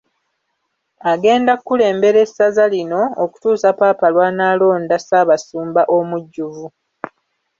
Agenda kulembera essaza lino okutuusa Ppaapa lw’anaalonda Ssaabasumba omujjuvu.